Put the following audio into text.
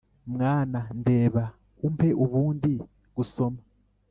mwana, ndeba, umpe ubundi gusoma